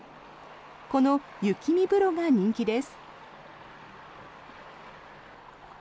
この雪見風呂が人気です。